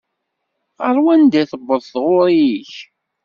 Ɣer wanda i tewweḍ taɣuṛi-k?